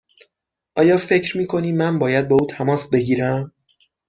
آیا فکر می کنی من باید با او تماس بگیرم؟